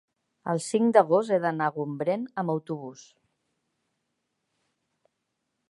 el cinc d'agost he d'anar a Gombrèn amb autobús.